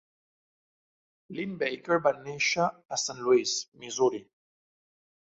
Linn-Baker va nàixer a Saint Louis, Missouri.